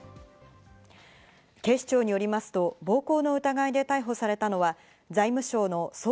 警視庁によりますと暴行の疑いで逮捕されたのは財務省の総括